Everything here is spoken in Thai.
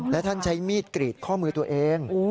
และท่านใช้มีดกรีดข้อมือตัวเอง